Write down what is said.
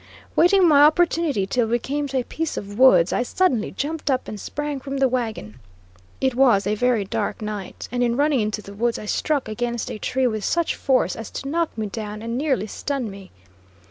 Waiting my opportunity till we came to a piece of woods, I suddenly jumped up and sprang from the wagon. It was a very dark night, and in running into the woods I struck against a tree with such force as to knock me down and nearly stun me.